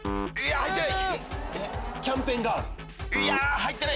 入ってない！